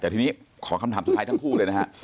แต่ทีนี้ขอคำถามสุดท้ายทั้งคู่เลยนะฮะ